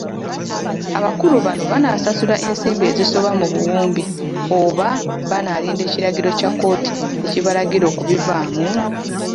Abakulu bano banaasasula ensimbi ezisoba mu buwumbi oba banaalinda ekiragiro kya kkooti ekibalagira okubivaamu?